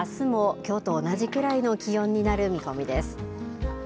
あすもきょうと同じくらいの気温になる見込みです。